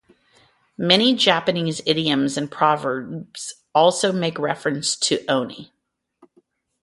Many Japanese idioms and proverbs also make reference to oni.